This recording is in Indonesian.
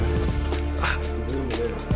ah bubunya muda ya